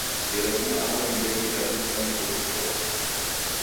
Derefuma aho nyumbenyi daduka mikon chongo.